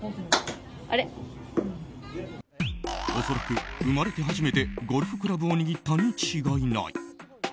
恐らく生まれて初めてゴルフクラブを握ったに違いない。